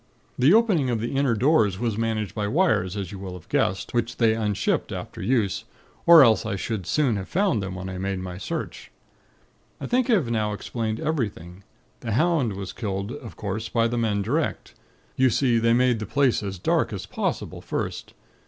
"The opening of the inner doors was managed by wires, as you will have guessed, which they unshipped after use, or else I should soon have found them, when I made my search. "I think I have now explained everything. The hound was killed, of course, by the men direct. You see, they made the place as dark as possible, first.